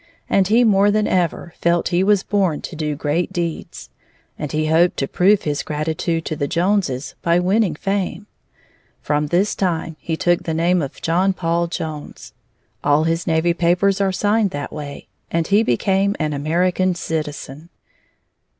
And he more than ever felt he was born to do great deeds. And he hoped to prove his gratitude to the Joneses by winning fame. From this time he took the name of John Paul Jones. All his navy papers are signed that way. And he became an American citizen.